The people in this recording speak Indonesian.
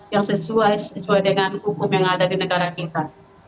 yang sesuai dengan hukum yang ada di negara kita